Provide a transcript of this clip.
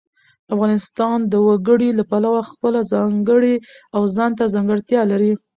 افغانستان د وګړي له پلوه خپله ځانګړې او ځانته ځانګړتیا لري.